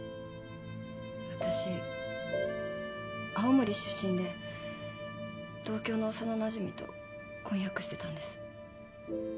私青森出身で同郷の幼なじみと婚約してたんです。